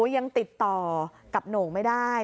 อย่างติดต่อกับหนูไม่ได้